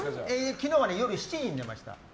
昨日は夜７時に寝ました。